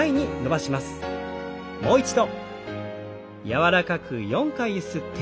柔らかくゆすって。